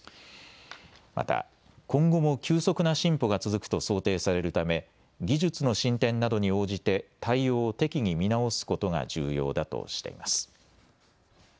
また今後も急速な進歩が続くと想定されるため技術の進展などに応じて対応を適宜、見直すことが重要だとしています。